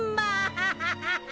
ハハハハ！